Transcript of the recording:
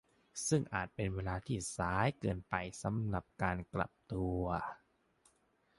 ซึ่งอาจเป็นเวลาที่สายเกินไปสำหรับการกลับตัว